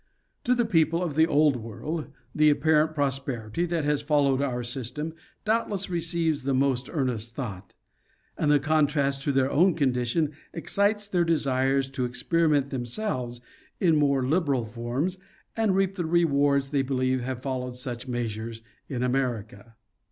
To the people of the old world, the apparent prosperity that has followed our system doubtless receives the most earnest thought ; and the contrast to their own condition excites their desires to experiment themselves in more liberal forms, and reap the rewards they believe have fol lowed such measures in America.